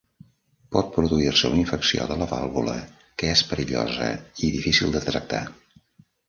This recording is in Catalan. Pot produir-se una infecció de la vàlvula, que és perillosa i difícil de tractar.